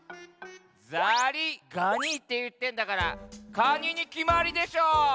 「ザリガニ」っていってんだからカニにきまりでしょう！